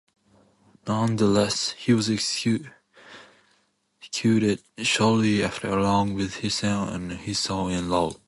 Nonetheless, he was executed shortly after along with his son and son-in-law.